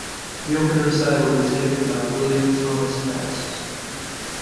The opening recital was given by William Thomas Best.